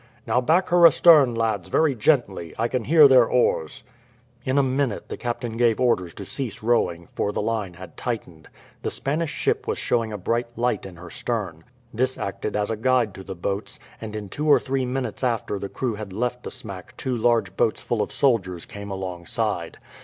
"Now, back her astern, lads, very gently. I can hear their oars." In a minute the captain gave orders to cease rowing, for the line had tightened. The Spanish ship was showing a bright light in her stern. This acted as a guide to the boats, and in two or three minutes after the crew had left the smack two large boats full of soldiers came alongside.